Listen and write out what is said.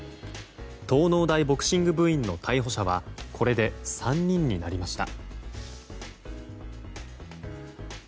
東農大ボクシング部員の逮捕者はこれで３人になりました。